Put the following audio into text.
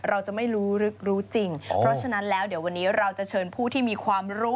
เราจะไม่รู้ลึกรู้จริงเพราะฉะนั้นแล้วเดี๋ยววันนี้เราจะเชิญผู้ที่มีความรู้